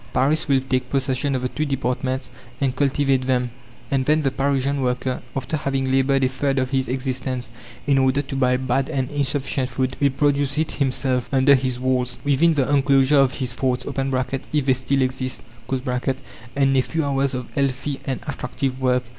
Paris will take possession of the two departments and cultivate them. And then the Parisian worker, after having laboured a third of his existence in order to buy bad and insufficient food, will produce it himself, under his walls, within the enclosure of his forts (if they still exist), and in a few hours of healthy and attractive work.